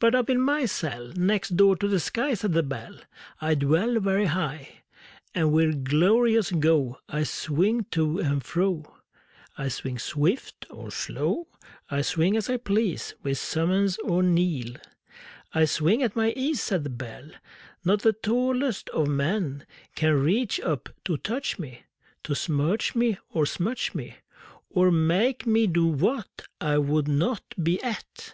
But up in my cell Next door to the sky, Said the Bell, I dwell Very high; And with glorious go I swing to and fro; I swing swift or slow, I swing as I please, With summons or knell; I swing at my ease, Said the Bell: Not the tallest of men Can reach up to touch me, To smirch me or smutch me, Or make me do what I would not be at!